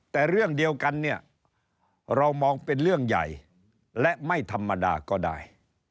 แต่เรื่องเดียวกันเนี่ยเรามองเป็นเรื่องใหญ่และไม่ธรรมดาก็ได้